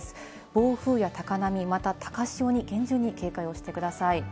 暴風や高波、また高潮に厳重に警戒をしてください。